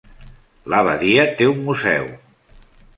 L'abadia té un museu.